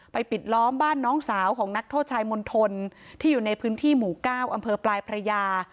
ปิดล้อมบ้านน้องสาวของนักโทษชายมณฑลที่อยู่ในพื้นที่หมู่เก้าอำเภอปลายพระยา